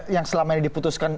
yang selama ini diputuskan